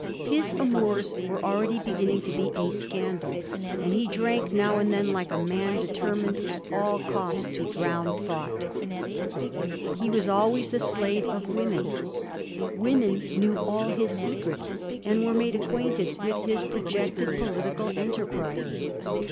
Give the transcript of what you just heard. His amours were already beginning to be a scandal, and he drank now and then like a man determined at all cost to drown thought. He was always the slave of women. Women knew all his secrets, and were made acquainted with his projected political enterprises.